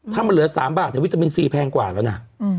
ถ้ามันเหลือ๓บาทวิตามินซีแพงกว่าแล้วนะ